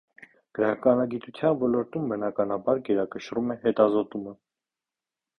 Գրականագիտության ոլորտում բնականաբար գերակշռում է հետազոտումը։